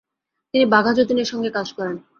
তিনি বাঘা যতীনের সঙ্গে কাজ করেন।